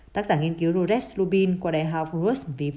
tác giả nghiên cứu rores lubin của đại học rutger v